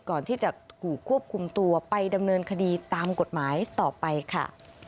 ก่อนที่จะถูกควบคุมตัวไปดำเนินคดีตามกฎหมายต่อไปค่ะ